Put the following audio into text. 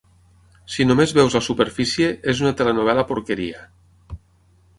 Si només veus la superfície, és una telenovel·la porqueria.